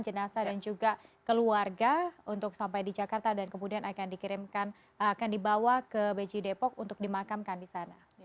jenazah dan juga keluarga untuk sampai di jakarta dan kemudian akan dibawa ke beji depok untuk dimakamkan di sana